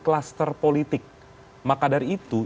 kluster politik maka dari itu